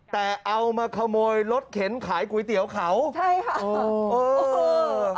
แต่เอามาขโมยรถเข็นขายก๋วยเตี๋ยวเขาใช่ค่ะเออเออ